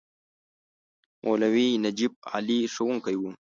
مولوي نجف علي ښوونکی وو.